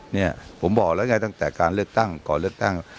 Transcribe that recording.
เนี่ยผมบอกแล้วไงตั้งแต่การเลือกตั้งก่อนเลือกตั้ง